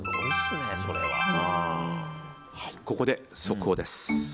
ここで速報です。